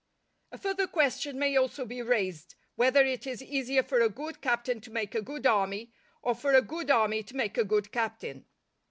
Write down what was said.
_) A further question may also be raised, whether it is easier for a good captain to make a good army, or for a good army to make a good captain.